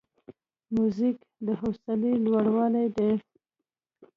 موزیک د حوصله لوړاوی دی.